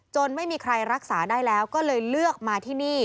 ไม่มีใครรักษาได้แล้วก็เลยเลือกมาที่นี่